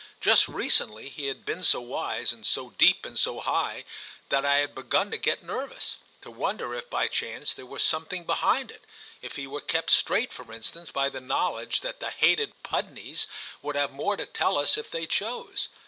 Just recently he had been so wise and so deep and so high that I had begun to get nervous—to wonder if by chance there were something behind it, if he were kept straight for instance by the knowledge that the hated Pudneys would have more to tell us if they chose.